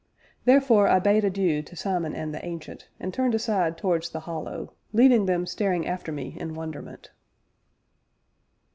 Therefore I bade adieu to Simon and the Ancient, and turned aside towards the Hollow, leaving them staring after me in wonderment.